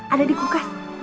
ada di kukas